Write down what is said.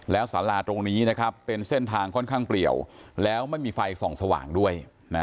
แล้วสาราตรงนี้นะครับเป็นเส้นทางค่อนข้างเปลี่ยวแล้วไม่มีไฟส่องสว่างด้วย